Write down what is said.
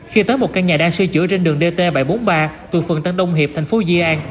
khi tới một căn nhà đang sửa chữa trên đường dt bảy trăm bốn mươi ba từ phường tân đông hiệp thành phố di an